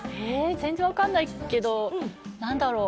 全然わかんないけれど、何だろう？